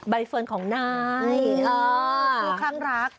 ใบเฟิร์นของนายค่อนข้างรัก